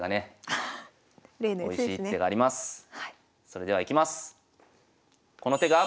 それではいきます。